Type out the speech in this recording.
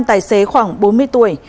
năm tài xế khoảng bốn mươi tuổi